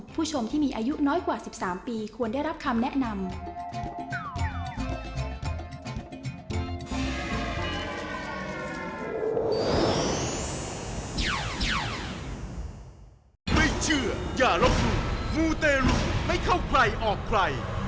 ผู้ชมที่มีอายุน้อยกว่า๑๓ปีควรได้รับคำแนะนำ